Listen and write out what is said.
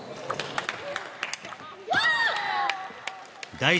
第１